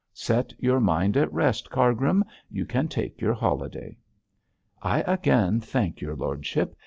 'Set your mind at rest, Cargrim; you can take your holiday.' 'I again thank your lordship.